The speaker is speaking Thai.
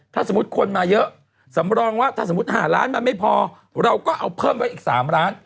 ถ้าสมมุติคนมาเยอะสำรองว่าถ้าสมมุติ๕ล้านมันไม่พอเราก็เอาเพิ่มไว้อีก๓ล้าน